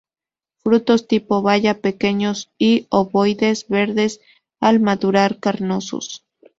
Frutos tipo baya, pequeños y ovoides, verdes al madurar, carnosos.